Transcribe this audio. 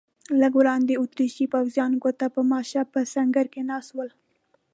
لږ وړاندې اتریشي پوځیان ګوته په ماشه په سنګر کې ناست ول.